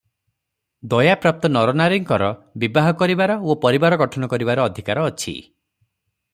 ଦୟା ପ୍ରାପ୍ତ ନରନାରୀଙ୍କର ବିବାହ କରିବାର ଓ ପରିବାର ଗଠନ କରିବାର ଅଧିକାର ଅଛି ।